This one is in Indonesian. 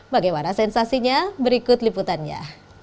bagaimana sensasinya berikut liputannya